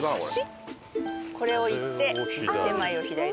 これを行って手前を左だ。